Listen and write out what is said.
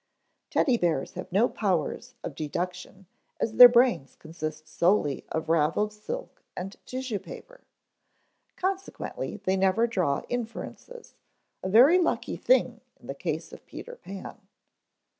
Teddy bears have no powers of deduction as their brains consist solely of raveled silk and tissue paper. Consequently they never draw inferences, a very lucky thing in the case of Peter Pan.